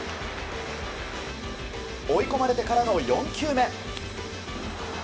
追い込まれてからの４球目。